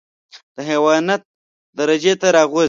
د حيوانيت درجې ته راغورځي.